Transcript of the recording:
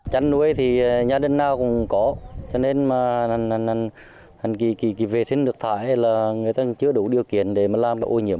chăn nuôi thì nhà đơn nào cũng có cho nên mà hành kỳ vệ sinh được thải hay là người ta chưa đủ điều kiện để làm ô nhiễm